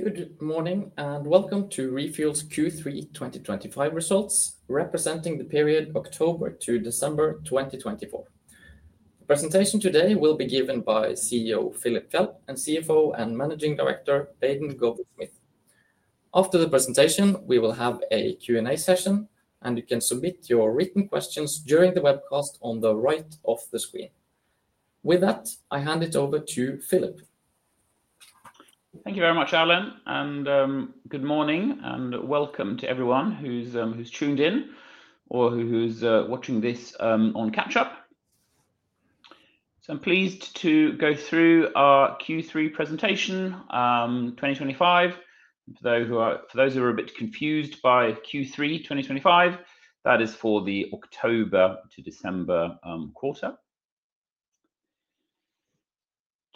Good morning and welcome to ReFuels Q3 2025 results, representing the period October to December 2024. The presentation today will be given by CEO Philip Fjeld and CFO and Managing Director Baden Gowrie-Smith. After the presentation, we will have a Q&A session, and you can submit your written questions during the webcast on the right of the screen. With that, I hand it over to Philip. Thank you very much, Alan, and good morning and welcome to everyone who's tuned in or who's watching this on CAPTCHA. I'm pleased to go through our Q3 presentation 2025. For those who are a bit confused by Q3 2025, that is for the October to December quarter.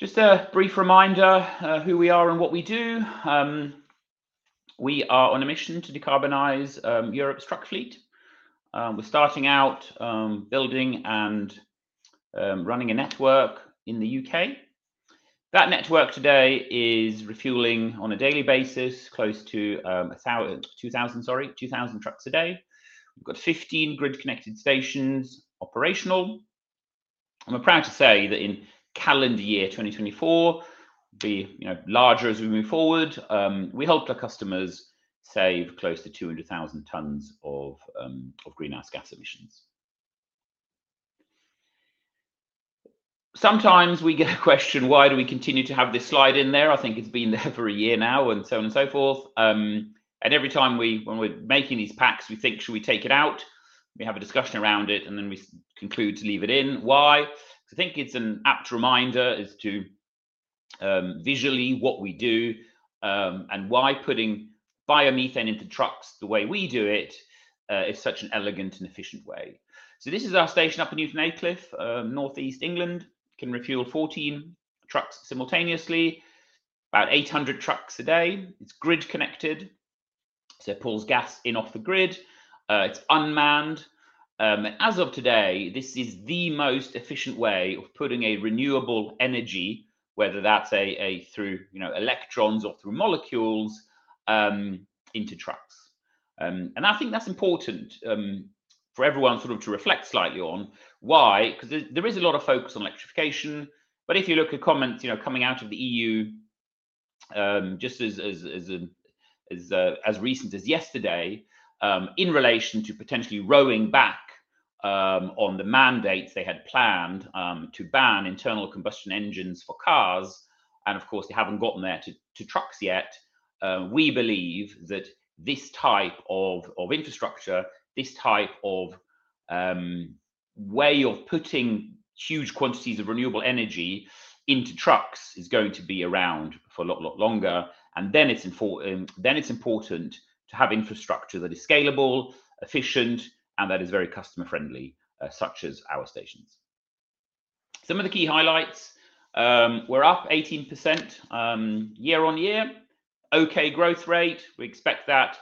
Just a brief reminder of who we are and what we do. We are on a mission to decarbonize Europe's truck fleet. We're starting out building and running a network in the U.K. That network today is refueling on a daily basis, close to 2,000 trucks a day. We've got 15 grid-connected stations operational. I'm proud to say that in calendar year 2024, we'll be larger as we move forward. We help our customers save close to 200,000 tons of greenhouse gas emissions. Sometimes we get a question, why do we continue to have this slide in there? I think it's been there for a year now and so on and so forth. Every time when we're making these packs, we think, should we take it out? We have a discussion around it, and then we conclude to leave it in. Why? I think it's an apt reminder as to visually what we do and why putting biomethane into trucks the way we do it is such an elegant and efficient way. This is our station up in Newton Eighcliffe, Northeast England. It can refuel 14 trucks simultaneously, about 800 trucks a day. It's grid-connected, so it pulls gas in off the grid. It's unmanned. As of today, this is the most efficient way of putting a renewable energy, whether that's through electrons or through molecules, into trucks. I think that's important for everyone sort of to reflect slightly on. Why? Because there is a lot of focus on electrification. If you look at comments coming out of the EU, just as recent as yesterday, in relation to potentially rowing back on the mandates they had planned to ban internal combustion engines for cars, and of course, they have not gotten there to trucks yet, we believe that this type of infrastructure, this type of way of putting huge quantities of renewable energy into trucks is going to be around for a lot longer. It is important to have infrastructure that is scalable, efficient, and that is very customer-friendly, such as our stations. Some of the key highlights, we are up 18% year on year, okay growth rate. We expect that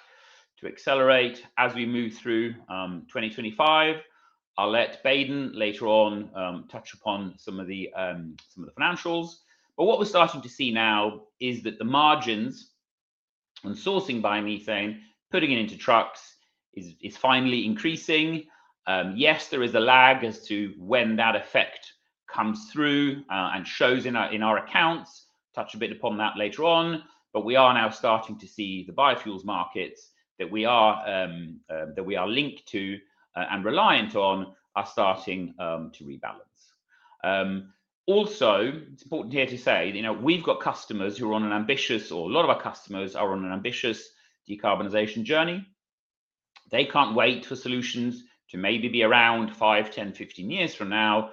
to accelerate as we move through 2025. I will let Baden later on touch upon some of the financials. What we're starting to see now is that the margins on sourcing biomethane, putting it into trucks, is finally increasing. Yes, there is a lag as to when that effect comes through and shows in our accounts. Touch a bit upon that later on. We are now starting to see the biofuels markets that we are linked to and reliant on are starting to rebalance. Also, it's important here to say that we've got customers who are on an ambitious, or a lot of our customers are on an ambitious decarbonization journey. They can't wait for solutions to maybe be around 5, 10, 15 years from now.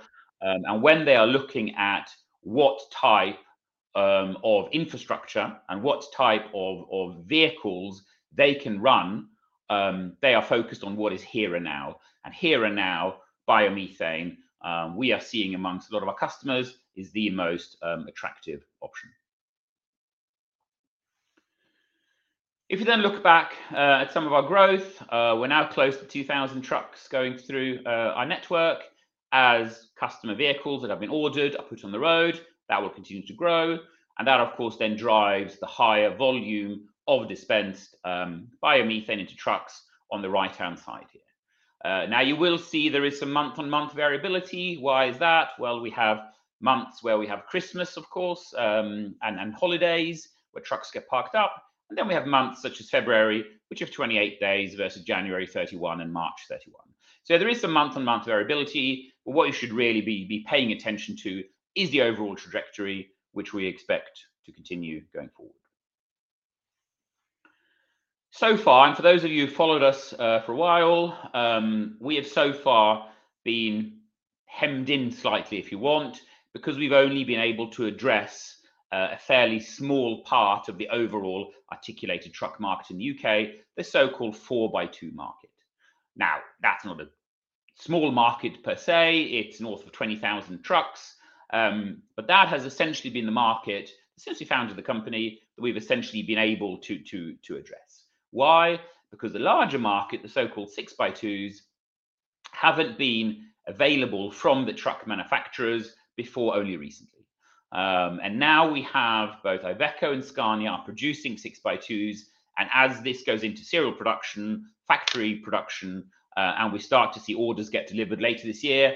When they are looking at what type of infrastructure and what type of vehicles they can run, they are focused on what is here and now. Here and now, biomethane we are seeing amongst a lot of our customers is the most attractive option. If you then look back at some of our growth, we're now close to 2,000 trucks going through our network as customer vehicles that have been ordered, put on the road. That will continue to grow. That, of course, then drives the higher volume of dispensed biomethane into trucks on the right-hand side here. You will see there is some month-on-month variability. Why is that? We have months where we have Christmas, of course, and holidays where trucks get parked up. We have months such as February, which have 28 days versus January, 31, and March, 31. There is some month-on-month variability. What you should really be paying attention to is the overall trajectory, which we expect to continue going forward. So far, and for those of you who've followed us for a while, we have so far been hemmed in slightly, if you want, because we've only been able to address a fairly small part of the overall articulated truck market in the U.K., the so-called 4x2 market. Now, that's not a small market per se. It's north of 20,000 trucks. But that has essentially been the market, essentially founded the company that we've essentially been able to address. Why? Because the larger market, the so-called 6x2s, haven't been available from the truck manufacturers before only recently. Now we have both Iveco and Scania producing 6x2s. As this goes into serial production, factory production, and we start to see orders get delivered later this year,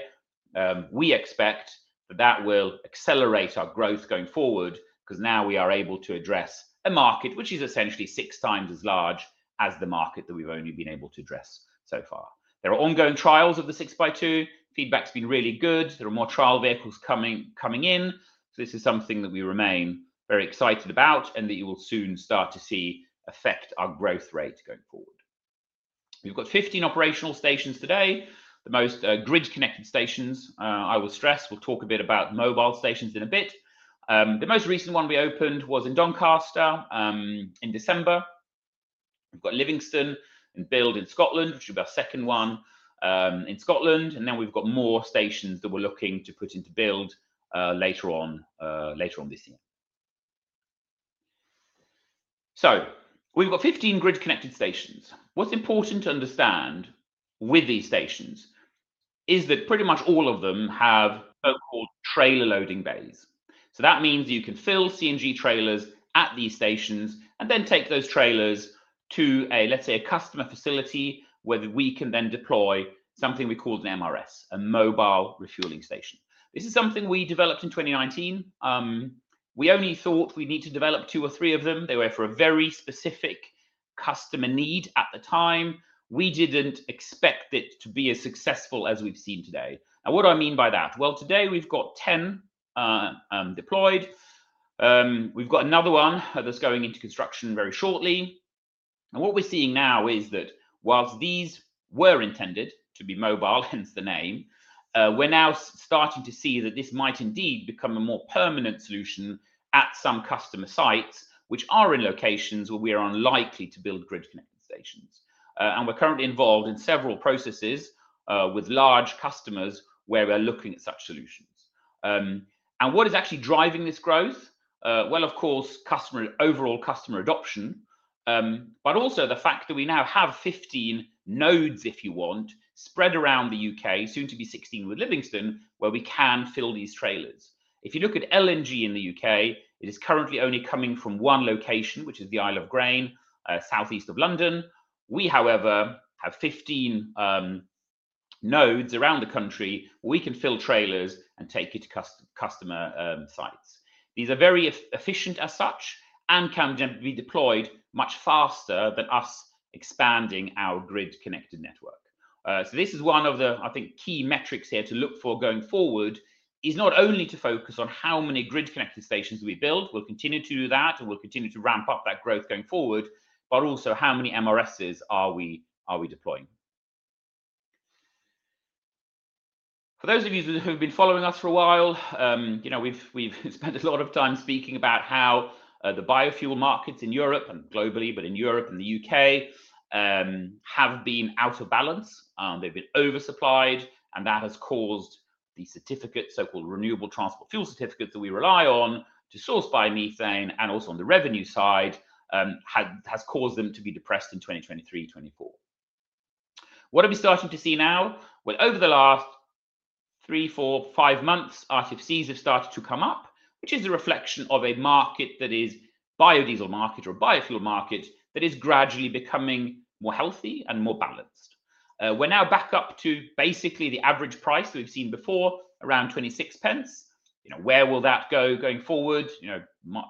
we expect that that will accelerate our growth going forward because now we are able to address a market which is essentially six times as large as the market that we've only been able to address so far. There are ongoing trials of the 6x2. Feedback's been really good. There are more trial vehicles coming in. This is something that we remain very excited about and that you will soon start to see affect our growth rate going forward. We've got 15 operational stations today, the most grid-connected stations. I will stress we'll talk a bit about mobile stations in a bit. The most recent one we opened was in Doncaster in December. We've got Livingston and Build in Scotland, which will be our second one in Scotland. We have more stations that we are looking to put into build later on this year. We have 15 grid-connected stations. What is important to understand with these stations is that pretty much all of them have so-called trailer loading bays. That means you can fill CNG trailers at these stations and then take those trailers to, let's say, a customer facility where we can then deploy something we call an MRS, a mobile refueling station. This is something we developed in 2019. We only thought we would need to develop two or three of them. They were for a very specific customer need at the time. We did not expect it to be as successful as we have seen today. What do I mean by that? Today we have 10 deployed. We have another one that is going into construction very shortly. What we're seeing now is that whilst these were intended to be mobile, hence the name, we're now starting to see that this might indeed become a more permanent solution at some customer sites which are in locations where we are unlikely to build grid-connected stations. We're currently involved in several processes with large customers where we're looking at such solutions. What is actually driving this growth? Of course, overall customer adoption, but also the fact that we now have 15 nodes, if you want, spread around the U.K., soon to be 16 with Livingston, where we can fill these trailers. If you look at LNG in the U.K., it is currently only coming from one location, which is the Isle of Grain, southeast of London. We, however, have 15 nodes around the country where we can fill trailers and take it to customer sites. These are very efficient as such and can be deployed much faster than us expanding our grid-connected network. This is one of the, I think, key metrics here to look for going forward is not only to focus on how many grid-connected stations we build. We'll continue to do that, and we'll continue to ramp up that growth going forward, but also how many MRSs are we deploying. For those of you who've been following us for a while, we've spent a lot of time speaking about how the biofuel markets in Europe and globally, but in Europe and the U.K., have been out of balance. They've been oversupplied, and that has caused the certificates, so-called Renewable Transport Fuel Certificates that we rely on to source biomethane and also on the revenue side, has caused them to be depressed in 2023, 2024. What are we starting to see now? Over the last three, four, five months, RTFCs have started to come up, which is a reflection of a market that is a biodiesel market or a biofuel market that is gradually becoming more healthy and more balanced. We are now back up to basically the average price that we have seen before, around 0.26. Where will that go going forward?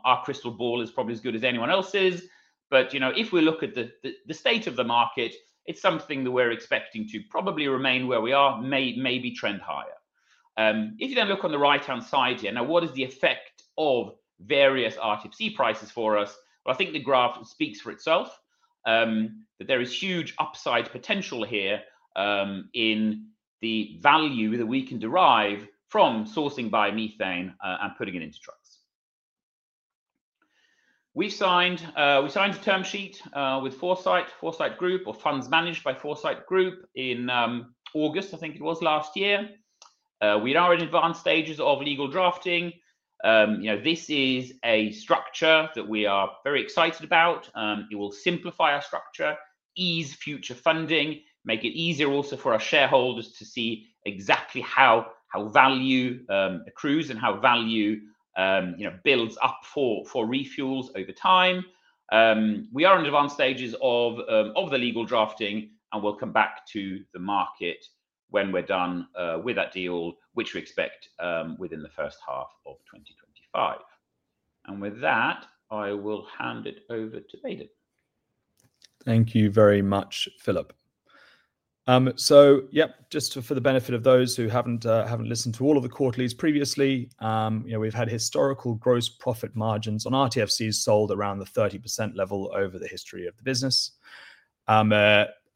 Our crystal ball is probably as good as anyone else's. If we look at the state of the market, it is something that we are expecting to probably remain where we are, maybe trend higher. If you look on the right-hand side here, what is the effect of various RTFC prices for us? I think the graph speaks for itself that there is huge upside potential here in the value that we can derive from sourcing biomethane and putting it into trucks. We've signed a term sheet with Foresight Group or funds managed by Foresight Group in August, I think it was last year. We are in advanced stages of legal drafting. This is a structure that we are very excited about. It will simplify our structure, ease future funding, make it easier also for our shareholders to see exactly how value accrues and how value builds up for ReFuels over time. We are in advanced stages of the legal drafting, and we will come back to the market when we are done with that deal, which we expect within the first half of 2025. With that, I will hand it over to Baden. Thank you very much, Philip. Yep, just for the benefit of those who have not listened to all of the quarterlies previously, we have had historical gross profit margins on RTFCs sold around the 30% level over the history of the business.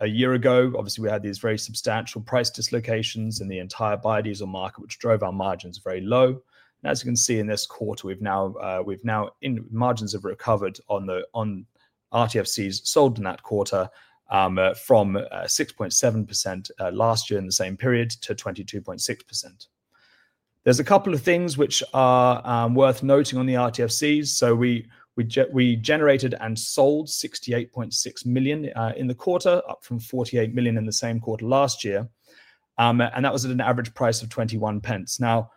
A year ago, obviously, we had these very substantial price dislocations in the entire biodiesel market, which drove our margins very low. As you can see in this quarter, margins have recovered on RTFCs sold in that quarter from 6.7% last year in the same period to 22.6%. There are a couple of things which are worth noting on the RTFCs. We generated and sold 68.6 million in the quarter, up from 48 million in the same quarter last year. That was at an average price of 0.21. Now,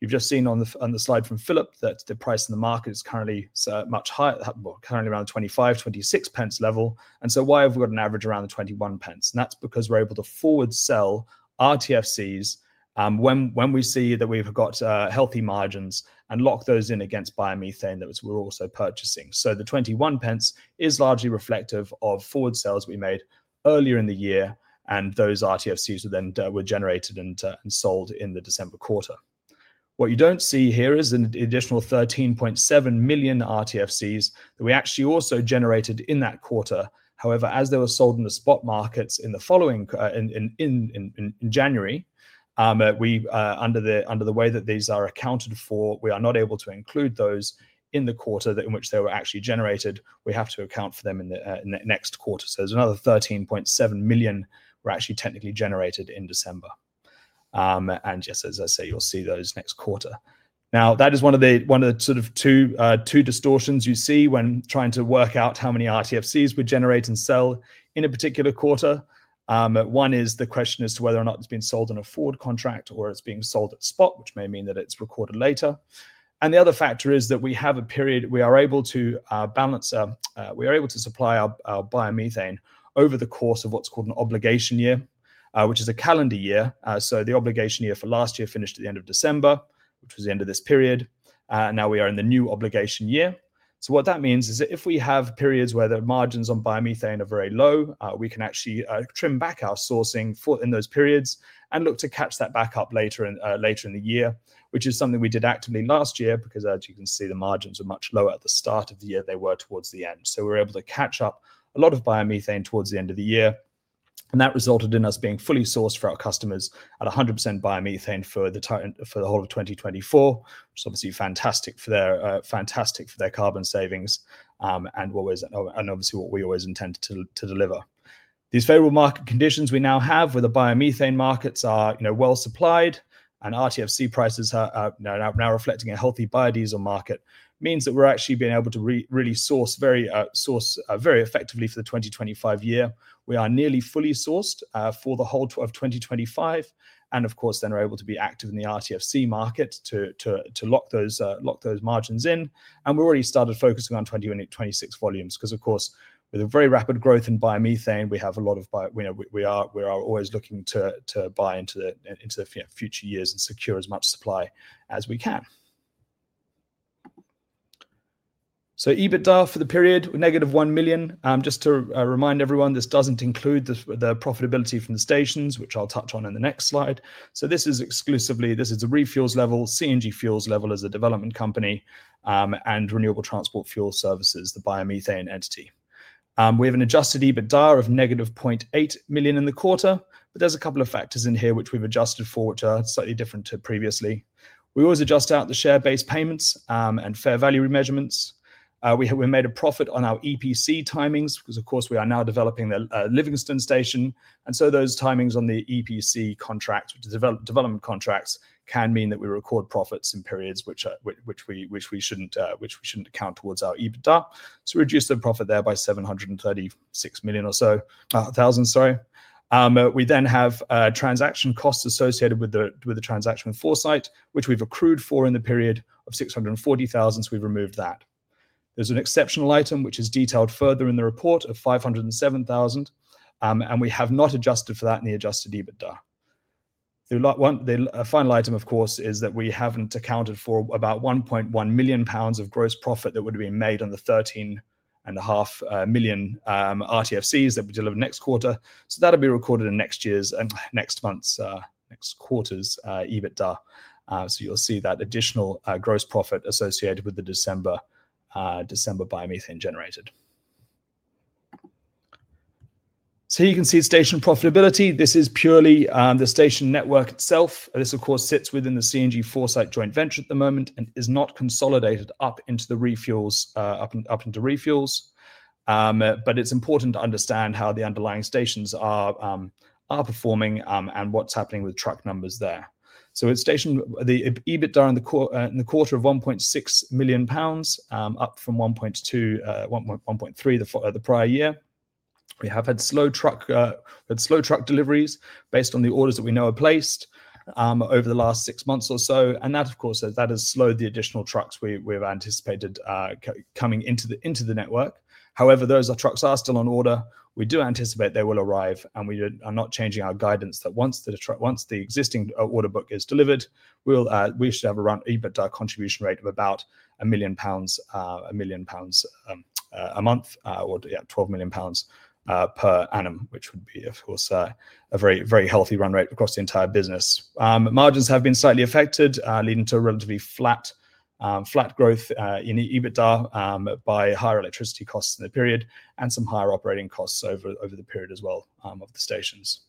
you've just seen on the slide from Philip that the price in the market is currently much higher, currently around the 25, 26 pence level. Why have we got an average around the 21 pence? That's because we're able to forward sell RTFCs when we see that we've got healthy margins and lock those in against biomethane that we're also purchasing. The 21 pence is largely reflective of forward sales we made earlier in the year, and those RTFCs were then generated and sold in the December quarter. What you don't see here is an additional 13.7 million RTFCs that we actually also generated in that quarter. However, as they were sold in the spot markets in the following in January, under the way that these are accounted for, we are not able to include those in the quarter in which they were actually generated. We have to account for them in the next quarter. There is another 13.7 million were actually technically generated in December. Yes, as I say, you will see those next quarter. That is one of the sort of two distortions you see when trying to work out how many RTFCs we generate and sell in a particular quarter. One is the question as to whether or not it is being sold in a forward contract or it is being sold at spot, which may mean that it is recorded later. The other factor is that we have a period we are able to balance. We are able to supply our biomethane over the course of what is called an obligation year, which is a calendar year. The obligation year for last year finished at the end of December, which was the end of this period. Now we are in the new obligation year. What that means is that if we have periods where the margins on biomethane are very low, we can actually trim back our sourcing in those periods and look to catch that back up later in the year, which is something we did actively last year because, as you can see, the margins were much lower at the start of the year than they were towards the end. We were able to catch up a lot of biomethane towards the end of the year. That resulted in us being fully sourced for our customers at 100% biomethane for the whole of 2024, which is obviously fantastic for their carbon savings and obviously what we always intend to deliver. These favorable market conditions we now have with the biomethane markets are well supplied, and RTFC prices are now reflecting a healthy biodiesel market means that we're actually being able to really source very effectively for the 2025 year. We are nearly fully sourced for the whole of 2025. Of course, then we're able to be active in the RTFC market to lock those margins in. We've already started focusing on 2026 volumes because, of course, with a very rapid growth in biomethane, we have a lot of we are always looking to buy into the future years and secure as much supply as we can. EBITDA for the period, negative 1 million. Just to remind everyone, this doesn't include the profitability from the stations, which I'll touch on in the next slide. This is exclusively, this is a ReFuels level, CNG Fuels level as a development company, and Renewable Transport Fuel Services, the biomethane entity. We have an adjusted EBITDA of negative 0.8 million in the quarter, but there are a couple of factors in here which we have adjusted for which are slightly different to previously. We always adjust out the share-based payments and fair value measurements. We made a profit on our EPC timings because, of course, we are now developing the Livingston station. Those timings on the EPC contracts, which are development contracts, can mean that we record profits in periods which we should not account towards our EBITDA. We reduced the profit there by 736,000 or so, thousand, sorry. We then have transaction costs associated with the transaction with Foresight Group, which we have accrued for in the period of 640,000, so we have removed that. There's an exceptional item which is detailed further in the report of 507,000, and we have not adjusted for that in the adjusted EBITDA. The final item, of course, is that we have not accounted for about 1.1 million pounds of gross profit that would have been made on the 13.5 million Renewable Transport Fuel Certificates that we delivered next quarter. That will be recorded in next year's and next month's next quarter's EBITDA. You will see that additional gross profit associated with the December biomethane generated. You can see station profitability. This is purely the station network itself. This, of course, sits within the CNG Fuels Foresight Group joint venture at the moment and is not consolidated up into ReFuels, up into ReFuels. It is important to understand how the underlying stations are performing and what is happening with truck numbers there. The EBITDA in the quarter of 1.6 million pounds, up from 1.3 million the prior year. We have had slow truck deliveries based on the orders that we know are placed over the last six months or so. That, of course, has slowed the additional trucks we have anticipated coming into the network. However, those trucks are still on order. We do anticipate they will arrive, and we are not changing our guidance that once the existing order book is delivered, we should have an EBITDA contribution rate of about 1 million pounds a month or 12 million pounds per annum, which would be, of course, a very healthy run rate across the entire business. Margins have been slightly affected, leading to a relatively flat growth in EBITDA by higher electricity costs in the period and some higher operating costs over the period as well of the stations.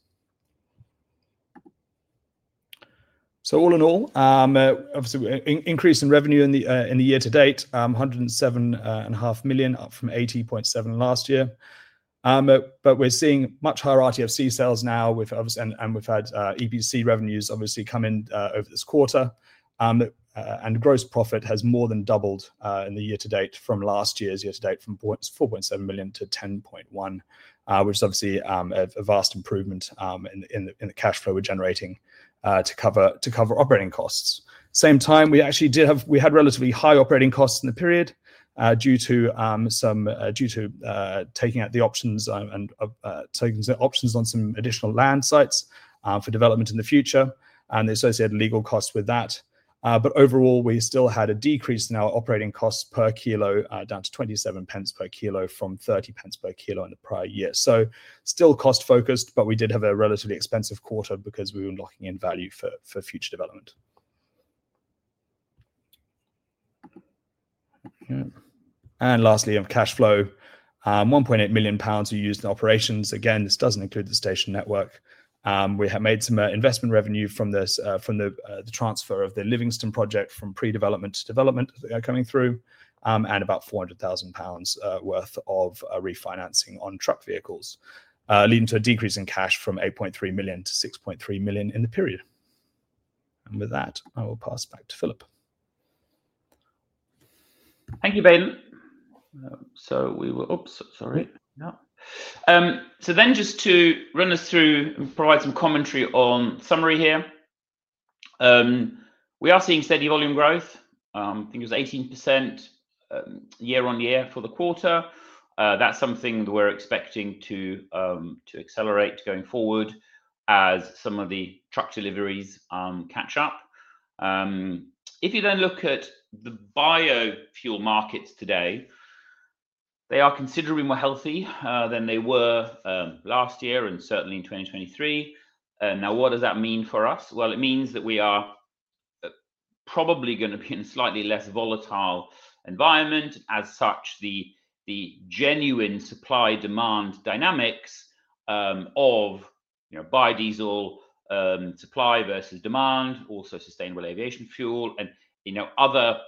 All in all, obviously, increase in revenue in the year to date, 107.5 million, up from 80.7 million last year. We are seeing much higher RTFC sales now, and we have had EPC revenues obviously come in over this quarter. Gross profit has more than doubled in the year to date from last year's year to date from 4.7 million to 10.1 million, which is obviously a vast improvement in the cash flow we are generating to cover operating costs. At the same time, we actually did have relatively high operating costs in the period due to taking out the options and taking some options on some additional land sites for development in the future and the associated legal costs with that. Overall, we still had a decrease in our operating costs per kilo down to 0.27 per kilo from 0.30 per kilo in the prior year. Still cost-focused, but we did have a relatively expensive quarter because we were locking in value for future development. Lastly, on cash flow, 1.8 million pounds are used in operations. This does not include the station network. We have made some investment revenue from the transfer of the Livingston project from pre-development to development coming through and about 400,000 pounds worth of refinancing on truck vehicles, leading to a decrease in cash from 8.3 million to 6.3 million in the period. With that, I will pass back to Philip. Thank you, Baden. Oops, sorry. Just to run us through and provide some commentary on summary here. We are seeing steady volume growth. I think it was 18% year on year for the quarter. That's something that we're expecting to accelerate going forward as some of the truck deliveries catch up. If you then look at the biofuel markets today, they are considerably more healthy than they were last year and certainly in 2023. Now, what does that mean for us? It means that we are probably going to be in a slightly less volatile environment. As such, the genuine supply-demand dynamics of biodiesel supply versus demand, also sustainable aviation fuel and other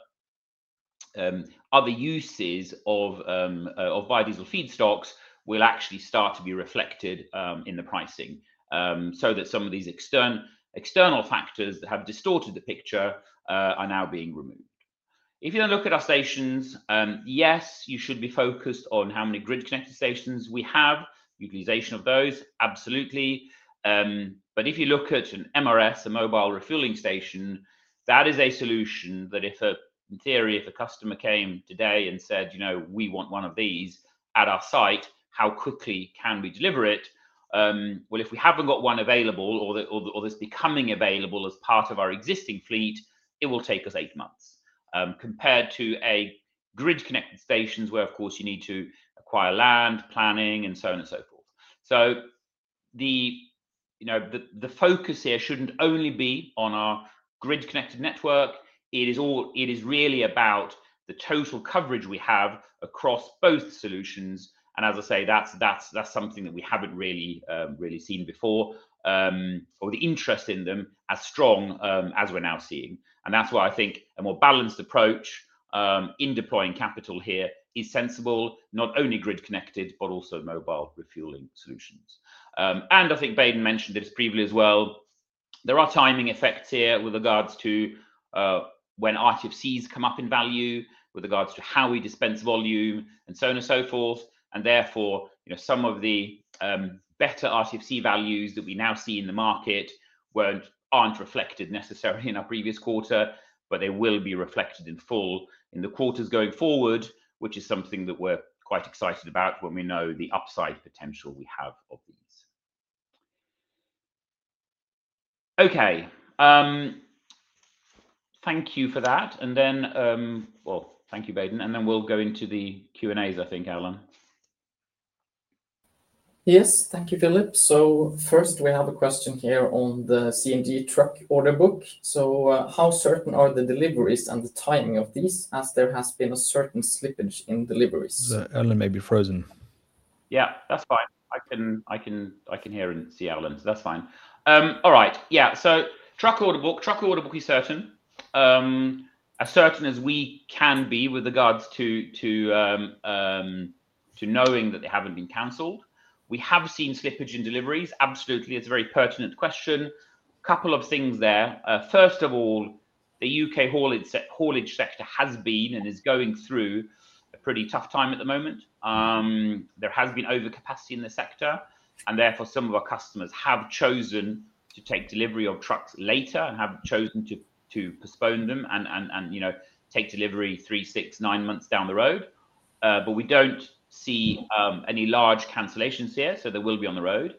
uses of biodiesel feedstocks will actually start to be reflected in the pricing so that some of these external factors that have distorted the picture are now being removed. If you then look at our stations, yes, you should be focused on how many grid-connected stations we have, utilization of those, absolutely. If you look at an MRS, a mobile refueling station, that is a solution that if, in theory, if a customer came today and said, "We want one of these at our site, how quickly can we deliver it?" If we have not got one available or this becoming available as part of our existing fleet, it will take us eight months compared to a grid-connected station where, of course, you need to acquire land, planning, and so on and so forth. The focus here should not only be on our grid-connected network. It is really about the total coverage we have across both solutions. As I say, that is something that we have not really seen before or the interest in them as strong as we are now seeing. That is why I think a more balanced approach in deploying capital here is sensible, not only grid-connected, but also mobile refueling solutions. I think Baden mentioned this previously as well. There are timing effects here with regards to when RTFCs come up in value, with regards to how we dispense volume and so on and so forth. Therefore, some of the better RTFC values that we now see in the market are not reflected necessarily in our previous quarter, but they will be reflected in full in the quarters going forward, which is something that we are quite excited about when we know the upside potential we have of these. Thank you for that. Thank you, Baden. We will go into the Q&As, I think, Alan. Yes, thank you, Philip. First, we have a question here on the CNG truck order book. How certain are the deliveries and the timing of these as there has been a certain slippage in deliveries? Alan may be frozen. Yeah, that's fine. I can hear and see Alan, so that's fine. All right. Yeah. Truck order book, truck order book is certain. As certain as we can be with regards to knowing that they have not been canceled. We have seen slippage in deliveries. Absolutely. It is a very pertinent question. A couple of things there. First of all, the U.K. haulage sector has been and is going through a pretty tough time at the moment. There has been overcapacity in the sector, and therefore, some of our customers have chosen to take delivery of trucks later and have chosen to postpone them and take delivery three, six, nine months down the road. We do not see any large cancellations here, so they will be on the road.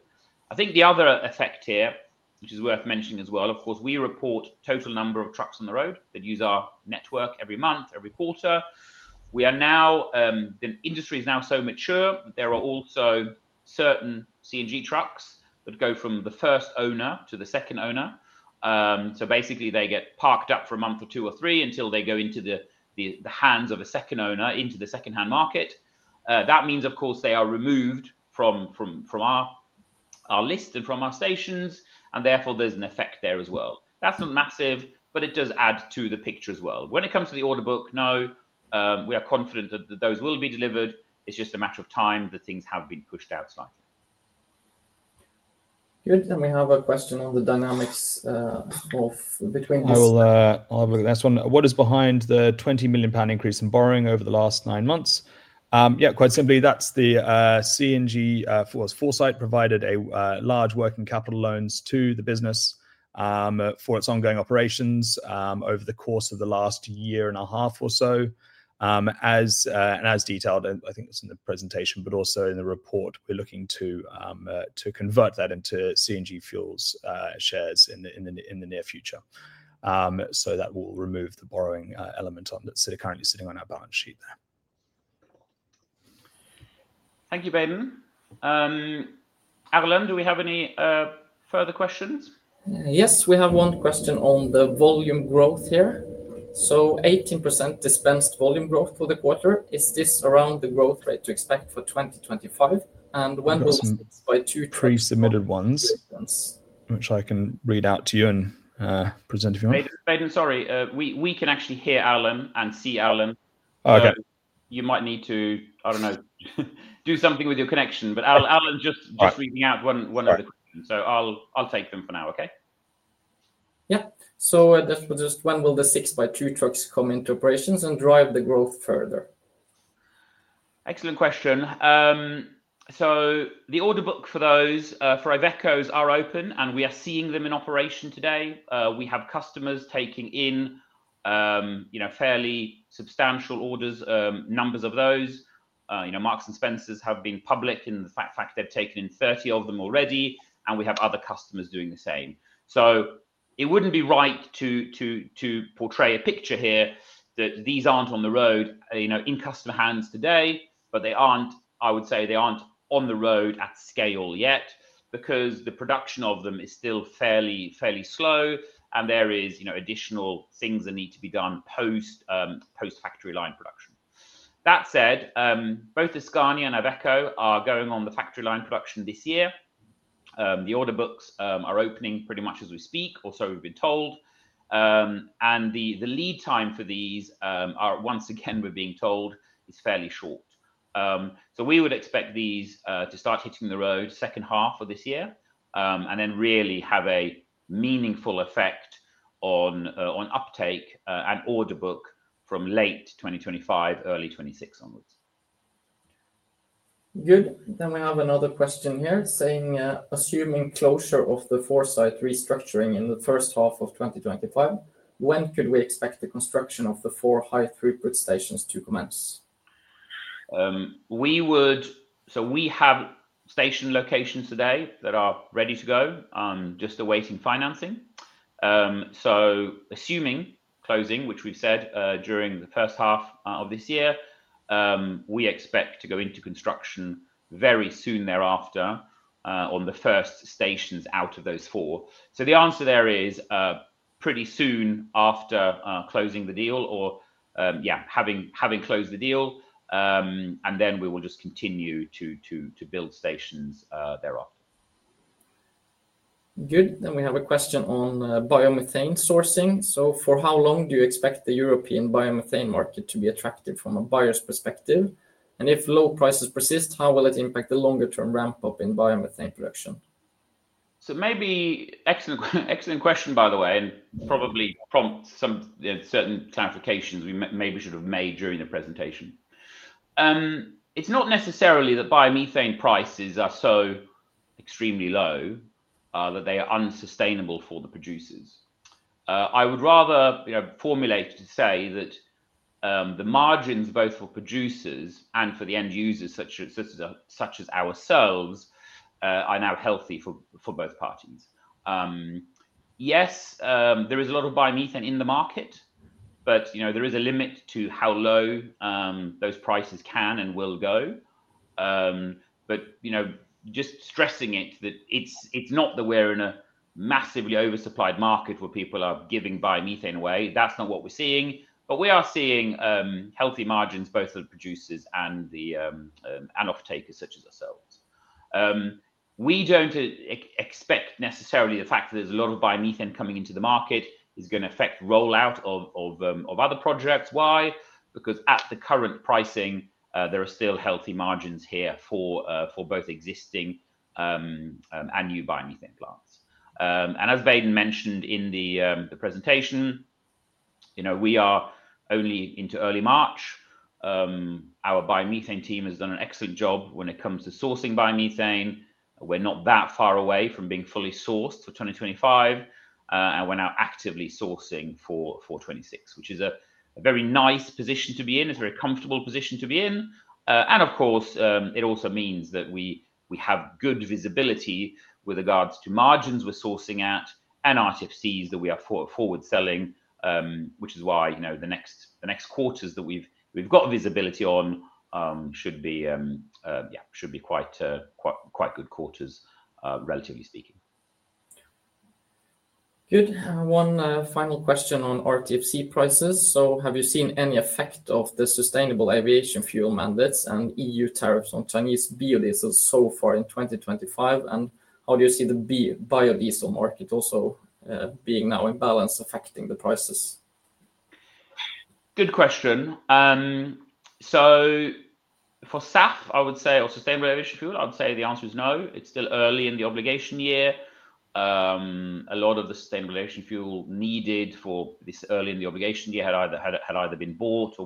I think the other effect here, which is worth mentioning as well, of course, we report total number of trucks on the road that use our network every month, every quarter. The industry is now so mature that there are also certain CNG trucks that go from the first owner to the second owner. So basically, they get parked up for a month or two or three until they go into the hands of a second owner into the second-hand market. That means, of course, they are removed from our list and from our stations, and therefore, there is an effect there as well. That is not massive, but it does add to the picture as well. When it comes to the order book, no, we are confident that those will be delivered. It's just a matter of time that things have been pushed out slightly. Good. We have a question on the dynamics between this. I'll look at that one. What is behind the 20 million pound increase in borrowing over the last nine months? Yeah, quite simply, that's the CNG Foresight provided large working capital loans to the business for its ongoing operations over the course of the last year and a half or so. As detailed, I think it's in the presentation, but also in the report, we're looking to convert that into CNG Fuels shares in the near future. That will remove the borrowing element that's currently sitting on our balance sheet there. Thank you, Baden. Alan, do we have any further questions? Yes, we have one question on the volume growth here. 18% dispensed volume growth for the quarter. Is this around the growth rate to expect for 2025? And when will this be by? Pre-submitted ones, which I can read out to you and present if you want. ' Baden, sorry. We can actually hear Alan and see Alan. You might need to, I do not know, do something with your connection. Alan is just reading out one of the questions, so I will take them for now, okay? Yeah. Just when will the 6x2 trucks come into operations and drive the growth further? Excellent question. The order book for those for Iveco's are open, and we are seeing them in operation today. We have customers taking in fairly substantial orders, numbers of those. Marks & Spencer have been public in the fact they have taken in 30 of them already, and we have other customers doing the same. It would not be right to portray a picture here that these are not on the road in customer hands today, but I would say they are not on the road at scale yet because the production of them is still fairly slow, and there are additional things that need to be done post-factory line production. That said, both Scania and Iveco are going on the factory line production this year. The order books are opening pretty much as we speak, or so we have been told. The lead time for these, once again, we are being told, is fairly short. We would expect these to start hitting the road second half of this year and then really have a meaningful effect on uptake and order book from late 2025, early 2026 onwards. Good. We have another question here saying, assuming closure of the Foresight restructuring in the first half of 2025, when could we expect the construction of the four high-throughput stations to commence? We have station locations today that are ready to go, just awaiting financing. Assuming closing, which we have said during the first half of this year, we expect to go into construction very soon thereafter on the first stations out of those four. The answer there is pretty soon after closing the deal, or, yeah, having closed the deal, and then we will just continue to build stations thereafter. Good. We have a question on biomethane sourcing. For how long do you expect the European biomethane market to be attractive from a buyer's perspective? If low prices persist, how will it impact the longer-term ramp-up in biomethane production? Maybe excellent question, by the way, and probably prompts some certain clarifications we maybe should have made during the presentation. It's not necessarily that biomethane prices are so extremely low that they are unsustainable for the producers. I would rather formulate to say that the margins both for producers and for the end users, such as ourselves, are now healthy for both parties. Yes, there is a lot of biomethane in the market, but there is a limit to how low those prices can and will go. Just stressing it that it's not that we're in a massively oversupplied market where people are giving biomethane away. That's not what we're seeing. We are seeing healthy margins both for the producers and the off-takers such as ourselves. We do not expect necessarily the fact that there is a lot of biomethane coming into the market is going to affect rollout of other projects. Why? Because at the current pricing, there are still healthy margins here for both existing and new biomethane plants. As Baden mentioned in the presentation, we are only into early March. Our biomethane team has done an excellent job when it comes to sourcing biomethane. We are not that far away from being fully sourced for 2025, and we are now actively sourcing for 2026, which is a very nice position to be in. It is a very comfortable position to be in. Of course, it also means that we have good visibility with regards to margins we are sourcing at and RTFCs that we are forward-selling, which is why the next quarters that we have got visibility on should be quite good quarters, relatively speaking. Good. One final question on RTFC prices. Have you seen any effect of the sustainable aviation fuel mandates and EU tariffs on Chinese biodiesel so far in 2025? How do you see the biodiesel market also being now in balance affecting the prices? Good question. For SAF, I would say, or sustainable aviation fuel, I would say the answer is no. It is still early in the obligation year. A lot of the sustainable aviation fuel needed for this early in the obligation year had either been bought or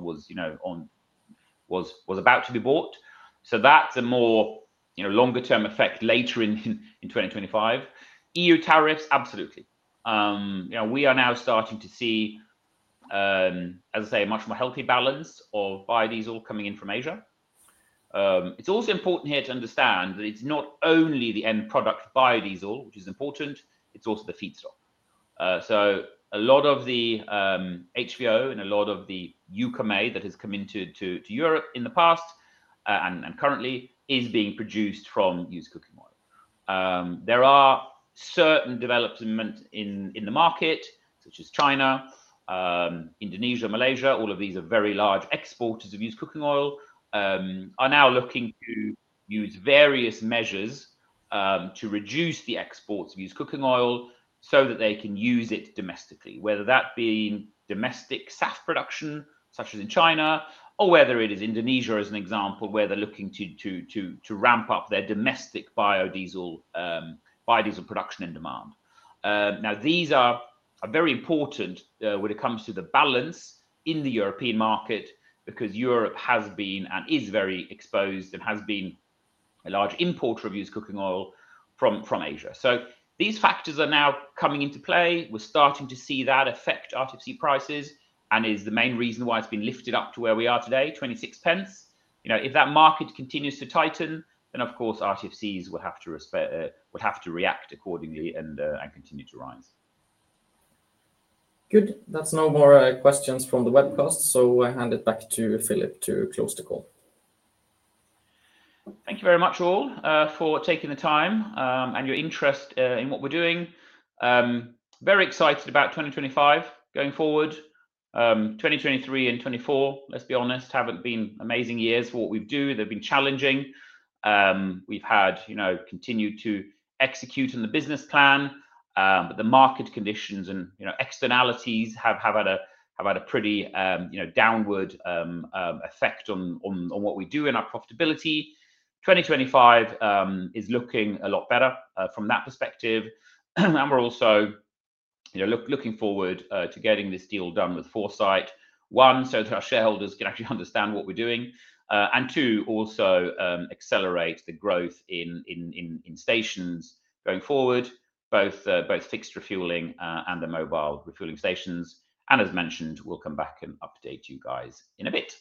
was about to be bought. That is a more longer-term effect later in 2025. EU tariffs, absolutely. We are now starting to see, as I say, a much more healthy balance of biodiesel coming in from Asia. It is also important here to understand that it is not only the end product biodiesel, which is important. It is also the feedstock. A lot of the HVO and a lot of the UCO made that has come into Europe in the past and currently is being produced from used cooking oil. There are certain developments in the market, such as China, Indonesia, Malaysia. All of these are very large exporters of used cooking oil, are now looking to use various measures to reduce the exports of used cooking oil so that they can use it domestically, whether that be domestic SAF production, such as in China, or whether it is Indonesia, as an example, where they're looking to ramp up their domestic biodiesel production and demand. These are very important when it comes to the balance in the European market because Europe has been and is very exposed and has been a large importer of used cooking oil from Asia. These factors are now coming into play. We're starting to see that affect RTFC prices and is the main reason why it's been lifted up to where we are today, 0.26. If that market continues to tighten, then, of course, RTFCs would have to react accordingly and continue to rise. Good. That's no more questions from the webcast, so I hand it back to Philip to close the call. Thank you very much all for taking the time and your interest in what we're doing. Very excited about 2025 going forward. 2023 and 2024, let's be honest, haven't been amazing years for what we do. They've been challenging. We've continued to execute on the business plan, but the market conditions and externalities have had a pretty downward effect on what we do and our profitability. 2025 is looking a lot better from that perspective. We're also looking forward to getting this deal done with Foresight. One, so that our shareholders can actually understand what we're doing. Two, also accelerate the growth in stations going forward, both fixed refueling and the mobile refueling stations. As mentioned, we'll come back and update you guys in a bit.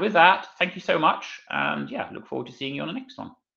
With that, thank you so much. Yeah, look forward to seeing you on the next one.